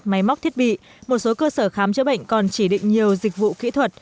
máy móc thiết bị một số cơ sở khám chữa bệnh còn chỉ định nhiều dịch vụ kỹ thuật